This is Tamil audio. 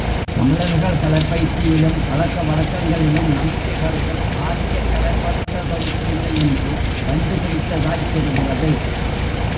தமிழர்கள் கலைப் பயிற்சியிலும் பழக்க வழக்கங்களிலும், நம்பிக்கைகளிலும், ஆரியக் கலப்பற்றதொன்றுமில்லை என்று கண்டுபிடித்ததாய்த் தெரிகிறது.